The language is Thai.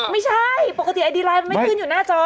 ไม่ใช่ปกติไอดีไลน์มันไม่ขึ้นอยู่หน้าจอ